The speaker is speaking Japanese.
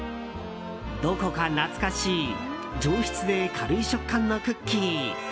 どこか懐かしい上品で軽い食感のクッキー。